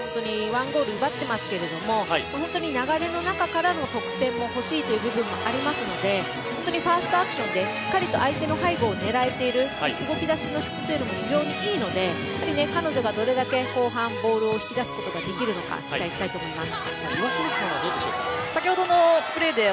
１ゴール奪っていますが本当に、流れの中からの得点が欲しいという部分がありますので本当にファーストアクションでしっかりと相手の背後を狙えている動き出しの質も非常にいいので、彼女がどれだけ後半ボールを引き出すことができるのか期待したいと思います。